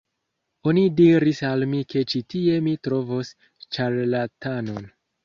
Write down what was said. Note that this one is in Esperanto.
Oni diris al mi ke ĉi tie mi trovos ĉarlatanon